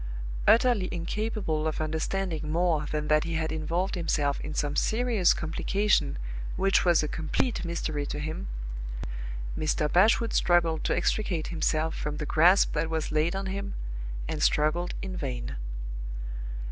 Utterly incapable of understanding more than that he had involved himself in some serious complication which was a complete mystery to him, Mr. Bashwood struggled to extricate himself from the grasp that was laid on him, and struggled in vain.